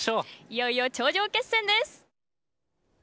いよいよ頂上決戦です。